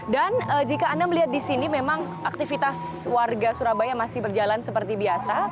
jika anda melihat di sini memang aktivitas warga surabaya masih berjalan seperti biasa